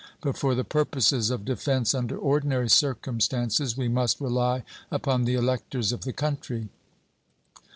But for the purposes of defense under ordinary circumstances we must rely upon the electors of the country.